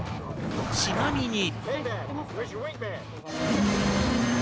ちなみに。